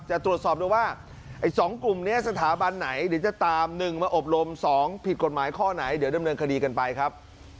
จะตรวจสอบดูว่าไอ้๒กลุ่มนี้สถาบันไหนเดี๋ยวจะตาม๑มาอบรม๒ผิดกฎหมายข้อไหนเดี๋ยวดำเนินคดีกันไปครับ